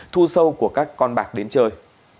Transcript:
thu sâu của các con bạc đến chơi